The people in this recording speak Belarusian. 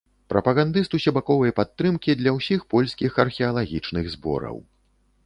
Прапагандыст усебаковай падтрымкі для ўсіх польскіх археалагічных збораў.